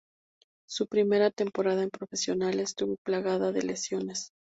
Su primera temporada en profesionales estuvo plagada de lesiones.